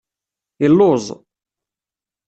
Illuẓ.